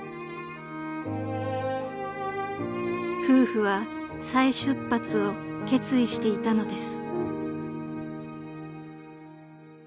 ［夫婦は再出発を決意していたのです］